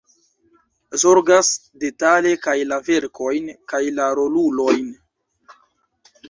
Zorgas detale kaj la verkojn kaj la rolulojn.